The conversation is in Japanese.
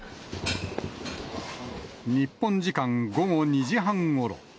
日本時間午後２時半ごろ。